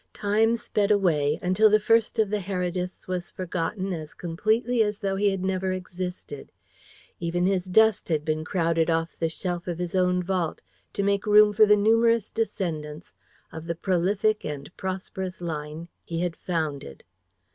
Time sped away, until the first of the Herediths was forgotten as completely as though he had never existed; even his dust had been crowded off the shelf of his own vault to make room for the numerous descendants of the prolific and prosperous line he had founded.